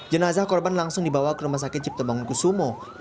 jenazah korban langsung dibawa ke rumah sakit cipto bangun kusumo